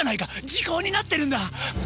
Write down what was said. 時効になってるんだ！